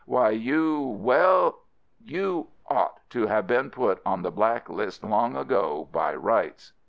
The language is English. Why, you well, YOU ought to have been put on the Black List long ago, by rights."